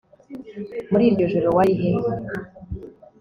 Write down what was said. muri iryo joro wari he